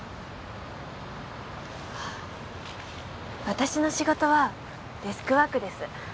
私の仕事はデスクワークです。